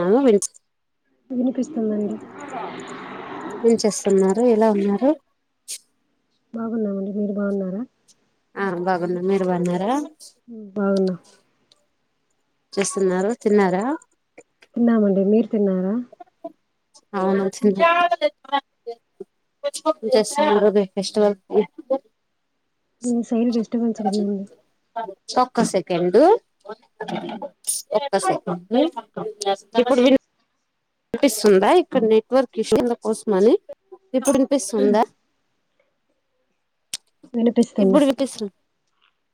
నాకు విని వినిపిస్తుందండి మీరిలా ఉన్నారు బాగున్నామండి మీర్ బాగున్నార ఆ బాగుంది మీరు బాగున్నారా మ్ బాగున్న చూస్తున్నారు తిన్నార తిన్నామండి మీర్ తిన్నార అవును వచ్చి ఫెస్టివల్ [unintelligible] మీ సైడ్ డిస్టర్బెన్స్ కదా ఉండి చొక్క సెకెండు బస్ ఇప్పుడు వీన్ వినిపిస్తుందా ఇక్కడ నెట్వర్క్ ఇష్యూ ఉంది అందుకోసమని ఇప్పుడు వినిపిస్తుందా వినిపిస్తుంది ఇప్పుడు విపిస్త్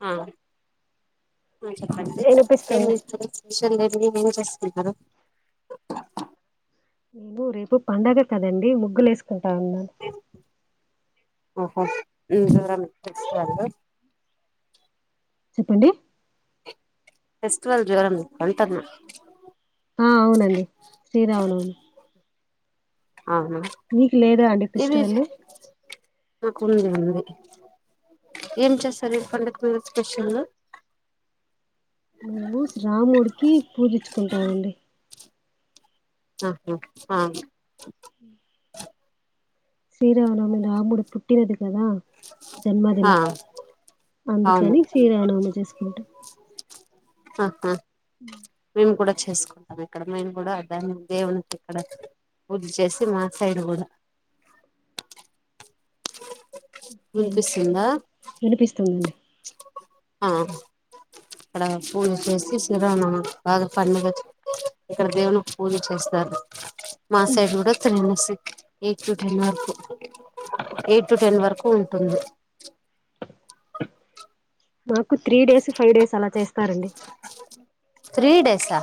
ఆ ఆ చెప్పండి వినిపిస్తుంది [unintelligible] మిషన్ లేనిది ఇది ఏం చేసుకుంటారు అయ్యో రేపు పండగ కదండి ముగ్గులేసు పాటవీన ఓహో ఇంకెవరైనా [unintelligible] చెప్పండి ఫెస్టివల్ జ్వరం అంటాన్న ఆ అవునండి శ్రీరామనవమి అవునా మీకు లేదా అండి ఫెస్టివల్ నాకు ఉంది ఉంది ఏం చేస్తారు పండక్కి స్పెషలు మేము స్ర రాముడికి పూజించుకుంటామండి ఆహా హా ఉమ్ శ్రీరావనమి రాముడు పుట్టినది కదా ఆ జన్మదినం అవును అందుకని శ్రీరామనవమి చేసుకుంటం ఆహా ఉమ్ మేము కూడా చేసుకుంటాం ఇక్కడ మేము కూడా ద-దేవునికి ఇక్కడ పూజ చేసి మా సైడ్ కూడా ఓకే అండి వినిపిస్తుందా వినిపిస్తుందండి ఆ ఇక్కడ పూజ చేసి శ్రీ రామనావమ్ బాగా పండుగా ఇక్కడ దేవుని పూజ చేస్తారు మాసైడ్ కూడా తిరుమూసి ఎ చూఠెన్నరకు ఎయిట్ టు టెన్ వరకు [unintelligible] మాకు త్రీ డేస్ ఫై డేస్ అలా చేస్తారండి త్రీ డేసా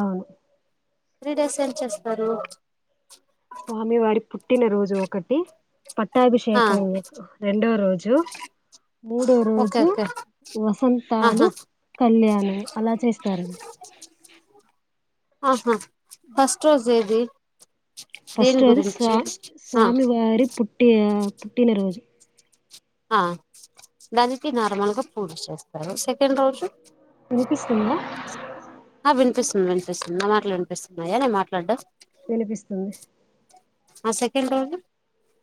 అవ్ త్రీ డేస్ ఏం చేసుకోరు స్వామి వారి పుట్ పుట్టినరోజు ఒకటి ఆ పట్టాభిషేకం రెండో రోజు మూడో ఓకే రోజు ఓకే ఆహా వసంతాలు కళ్యాణం అలా చేస్తారండి ఆహా ఫస్ట్ రోజ ఏది దేని ఫస్ట్ అది గురించి ఆ స్వామి వారి పుట్టి పుట్టినరోజు ఆ దానికి నార్మల్గ పూజ చేస్తారు సెకండ్ రోజు విన్పిస్తుంద ఆ విన్పిస్తుంది జెస్ట్ చిన్న మాటలు విన్పిస్తుంది నయానే మాట్లాడ్డు విన్పిస్తుంది ఆ సెకెన్ రౌండ్లు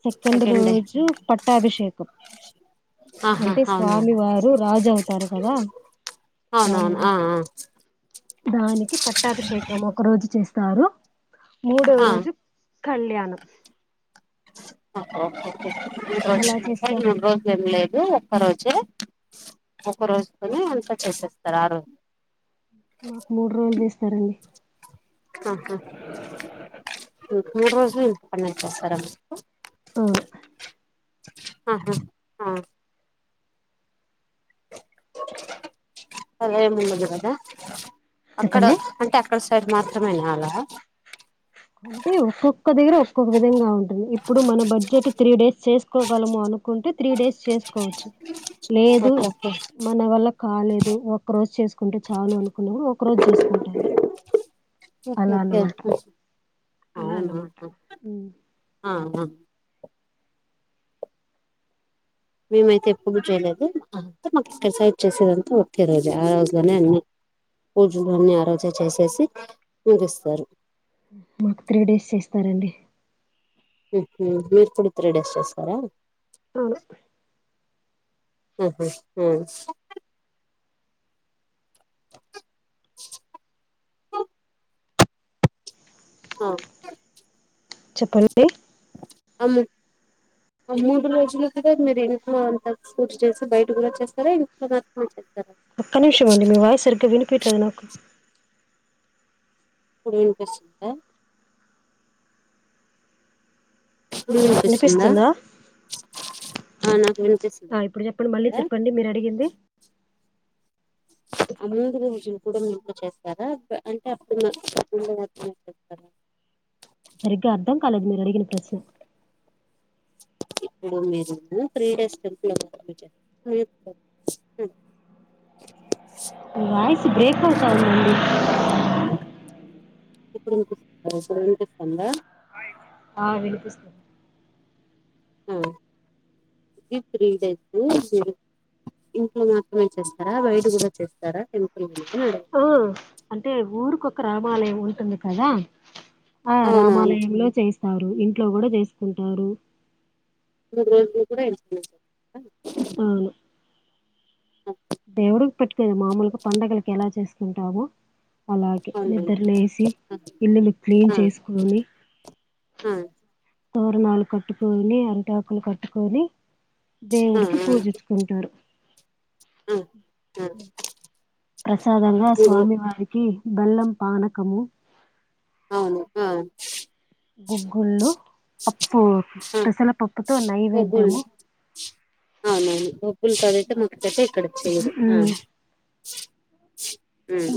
సెకండ్ రోజు పట్టాభిషేకం ఆహా అంటే స్వామి అవునవును వారు రాజు అవుతారు కదా అవునవును రాములు ఆ దానికి పట్టాభిషేకం ఒక రోజు చేస్ తారు మూడోవ ఆ రోజు కళ్యాణం ఒహో ఒకె మూడు రోజు అలా సార్ చేస్తారు మూడు రోజులు ఏం లేదు ఒక్క రోజే ఒక రోజుకని అంత చేసేస్తారు ఆ రోజ్ మాకు మూడు రోజులు చేస్తారండి అహా మూడు రోజులే [unintelligible] చేస్తరా మీకు ఉయ్ అహా ఆ సరే ముందు కదా అక్కడ చెప్పండి. అంటే అక్కడ క్కడి మాత్రమేనా అలా అంటే ఒక్కొక్క దగ్గర ఒక్కొక్క విధంగా ఉంటుంది ఇప్పుడు మన బడ్జెట్ త్రీ డేస్ చేసుకోగలము అనుకుంటే త్రీ డేస్ చేసుకోవచ్చు లేదు ఓకే ఓకే మన వల్ల కాలేదు ఒక రోజ్ చేసుకుంటే చాలు అనుకున్నప్పు ఒక రోజు చేసుకుంటారు ఓకే అలా ఓకే అన్నమాట అలా అన్నమాట ఆహ మేమైతే ఎప్పుడు చేయలేదు అంటె మాకు తెసాయి త చేసేదంతా ఒక్కె రోజే ఆ రోజులోనే అ పూజలన్నీ ఆ రోజు చేసేసి ముందిస్తారు మాకు త్రీ డేస్ చేస్తారంండి హ్మ్ మీరు కూడా త్రీ డేస్ చేస్తారా అవును [unintelligible] ఆ చెప్పండి అము ఆ మూడు రోజులు కూడా మీరు ఇంట్లో అంత పూర్తిచేసి బయట కూడా చేస్తారు ఏ [unintelligible] ఒక్క నిమిషం అండి మీ వాయిస్ సరిగా వినిపిట లేదు నాకు వినిపిస్తుంద వినిపిస్తుందా అ నాకు వినిపిస్తుంది ఆ, ఇప్పుడు చెప్పండి మళ్ళీ ద చెప్పండి మీరు అడిగింది [unintelligible] చేస్తారా అంటే అప్పుడ [unintelligible] సరిగ్గా అర్థం కాలేదు మీరు అడిగిన ప్రశ్న ఇప్పుడు మీరు three days temple [unintelligible] voice break అవుతా ఉందండి ఇప్పుడు వినిపిస్తుందా ఆ వినిపిస్తూ ఆ [unintelligible] మీ ఇంట్లో మాతమే చేస్తారా బయట కూడా చేస్తారా టెంపుల్ అని అడుగు ఆ అంటే ఊరుకొక రా హిమాలయం ఉంటంది కదా ఆ అవునవును రామాలయంలో చేస్ వారు ఇంట్లో కూడా చేసుకుంటారు మూడు రోజులు కూడా ఇంట్లో అవును దేవుడి పెట్టి మామూలుగా పండుగలకి ఎలా చేసుకుంటామో అలాగే అవునవును నిద్ర లేసి ఇల్లులు క్లీన్ ఆ చేసుకొని ఆ ఆ తోరణాలు కట్టుకొని అరిటాకులు కట్టుకొని ఆ దేవుడికి పూజించుకుంటారు ఆ ఆ ప్రసాదం గా మూడు రో- స్వామివారి బెల్లం పానకము అవును ఆ గూగుల్ పప్పు ఆ పెసలపప్పుతో బొగ్గులు నైవేద్యము [unintelligible] ఇక్కడ [unintelligible] మ్మ్ ఆ హ్మ్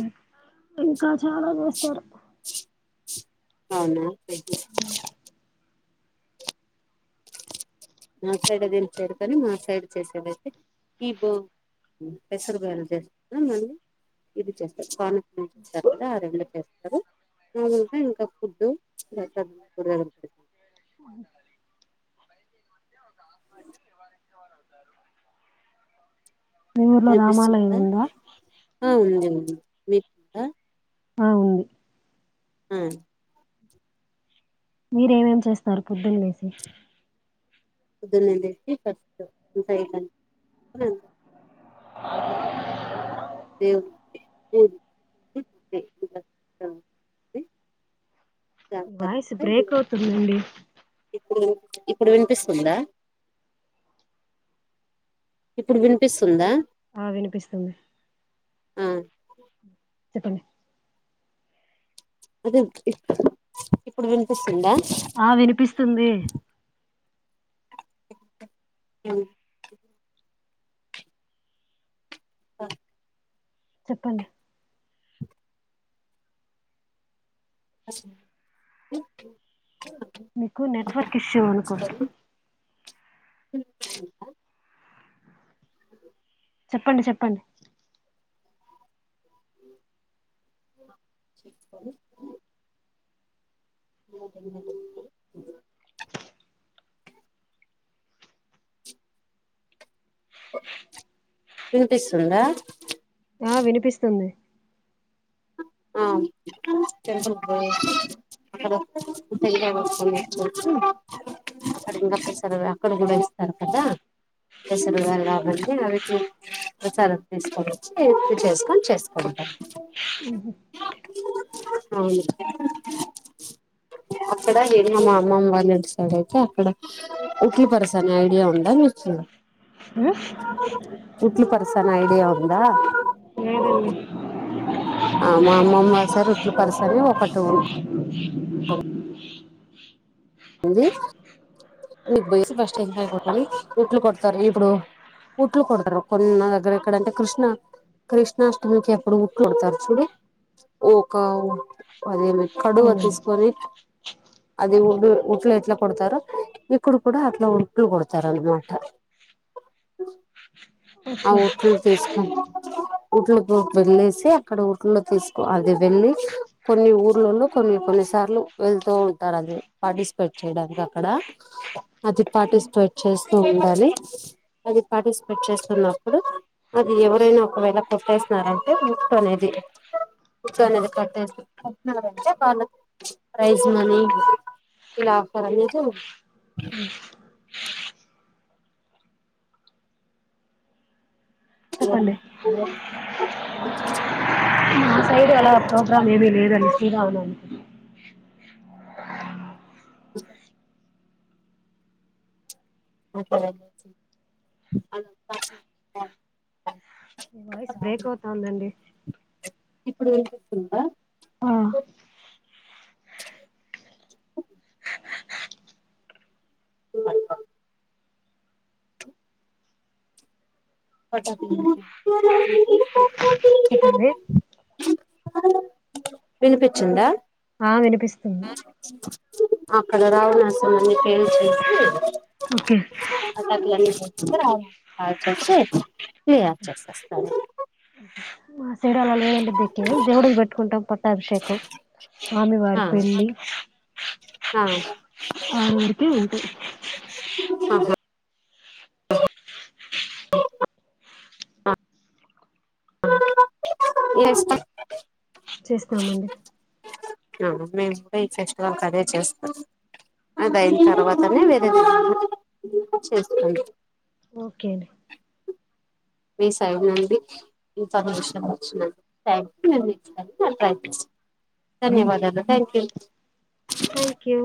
ఇంకా చాలా చేస్తారు అవున ఒకె నా సైడ్ దీని పేరుతది మా సైడ్ చేసేవైతే ఈ బో పెసరు గారేలు చేస్తారు మళ్ళీ ఇది చేస్తాారు పానక [unintelligible] గదా ఆ రెండు ఆ రోజే ఇంక ఫుడ్ ఇగ కూరగాయలు [inaudible] మీ ఊర్లో రామాలయం వినిపిస్తుందా ఉంద మీక్ కూడ ఆ ఉంది మయె మీరేమేమి చేస్తారు పొద్దున్ లేసి పొద్దున్నే లేసి ఫస్ట్ [unintelligible] [inaudible] దేవునికి పూజ [inaudible] వాయిస్ బ్రేక్ అవుతుందండి ఇప్పుడు ఇప్పుడు వినిపిస్తుందా ఇప్పుడు వినిపిస్తుంద ఆ వినిపిస్తుంది ఆ చెప్పండి అదే ఇప్ ఇప్పుడు వినిపిస్తుందా ఆ వినిపిస్తుంది న క చెప్పండి అత్ మీకు నెట్వర్క్ ఇష్యూ అనుకుంట విన్పిస్తుందా చెప్పండి చెప్పండి [unintelligible] అ విన్పిస్తుందా ఆ వినిపిస్తుంది ఆ టెంపుల్ కి పోయేసి అక్కడ అక్కడ ఇంకా సర అక్కడ కూడా ఇస్తారు కదా కేసరు గళ్ళ అవన్ని అవి చే సరి తీసుకొని వచ్చి ఇ చేసుకొని చేసుకుంటాం ఓహో అవును అక్కడ నేను మా అమ్మమ్మ వాారింటి సైడ్ అయితే అక్కడ ఉకి పర్సనే ఐడియా ఉందా నచు మ్మ్ ఇట్లి పర్సన్ ఐడి ఉందా లేదండి ఆ మా అమ్మమ్మ సార్ ఇట్లు పరిసని ఒకటి ఉ ంది మీకు పోయసి బస్టం పడుకొని ఉట్లు కొడతారు ఇప్పుడు ఉట్లు కొడతారు కొన్న దగ్గర ఎక్కడంటే కృష్ణ కృష్ణాష్టమికి ఎప్పుడు ఉట్లు కొడతారు చూడు ఒక అదేమి కడువ అవునండి తీసుకోరి అదిే ఊడు ఉట్లు ఎట్లా కొడతారో ఇక్కడు కూడా అట్లా ఉట్లు కొడతారు అన్నమాట ఆ ఓకే ఊట్లు తీసుకో ఊట్ల వెళ్ళసి అక్కడ ఊట్లో తీసుకో అది వెళ్ళి కొన్ని ఊర్లలో కొన్ని కొన్నిసార్లు వెళ్తూ ఉంటారు అది పార్టిసిపేట్ చేయడానికి అక్కడ అది ఓకే పార్టిసిపేట్ చేస్తూ ఉండాలి అది పార్టిసిపేట్ చే న్నప్పుడు అది ఎవరైనా ఒకవేళ కట్టేసినారంటే ముట్ అనేది ము ఓకే అనేది కట్టే కట్టినారంటే వాళ్ళు ప్రైజ్ మనీ ఇలా ఆఫర్ అనేది ఉ స చెప్పండి అ మా సైడ్ అలా ప్రోగ్రామ్ ఏమీ లేదుండి శ్రీరామనవమి అంట అ వాయిస్ బ్రేక్ అవుతాందండి ఇప్పుడు వెలిపిస్తుందా ఆ ఓ చెప్పంది వినిపించిందా హ వినిపిస్తుంది ఆ అక్కడ రావునసలు ఫ ఓకే [unintelligible] వుసి స చెస్త సడ అలా లేం దక్ే దేవుడికి పెట్టుకుాం ప పట్టాభిషేకం స్వామి వారి పెళ్లి ఆా అను ఉఊడితే ఉంట హ ఎస్ చేస్తామండి మేము కూడా ఈ ఫెస్టివల్కి అదే చేస్తాం అది అయిన తర్వాతనే వేరే వి చేస్తాం ఓకేండి మీ సైడ్ నుండి ఈ సంతోష వచ్చినం న ధన్యవాదాలు థ్యాంక్ యూ థ్యాంక్ యూ